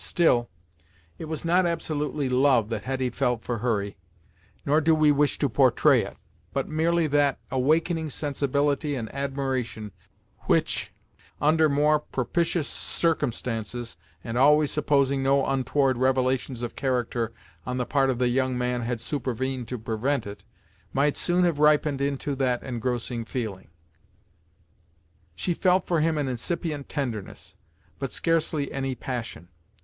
Still, it was not absolutely love that Hetty felt for Hurry, nor do we wish so to portray it, but merely that awakening sensibility and admiration, which, under more propitious circumstances, and always supposing no untoward revelations of character on the part of the young man had supervened to prevent it, might soon have ripened into that engrossing feeling. She felt for him an incipient tenderness, but scarcely any passion.